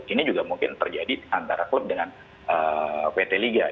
ini juga mungkin terjadi antara klub dengan pt liga